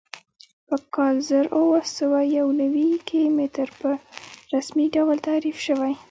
په کال زر اووه سوه یو نوي کې متر په رسمي ډول تعریف شوی.